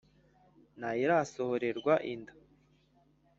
Nta yirasohorerwa inda,